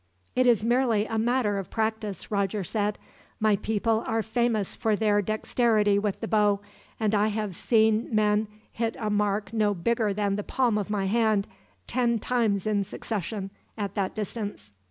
"It is merely a matter of practice," Roger said. "My people are famous for their dexterity with the bow, and I have seen men hit a mark no bigger than the palm of my hand, ten times in succession, at that distance."